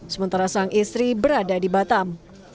sementara sang istri berada di batam